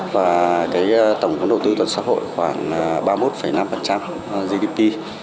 và tổng cung đầu tư toàn xã hội khoảng ba mươi một năm gdp